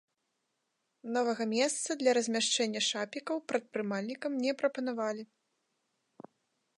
Новага месца для размяшчэння шапікаў прадпрымальнікам не прапанавалі.